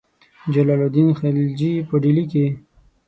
جلال الدین خلجي په ډهلي کې.